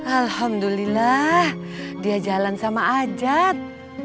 alhamdulillah dia jalan sama ajat